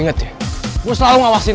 gak perlu lo jelasin